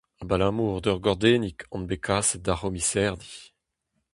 Abalamour d'ur gordennig on bet kaset d'ar c'homiserdi.